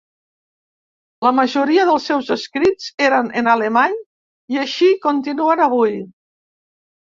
La majoria dels seus escrits eren en alemany i així continuen avui.